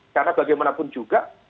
karena bagaimanapun juga